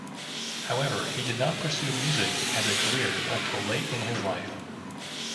However he did not pursue music as a career until late in his life.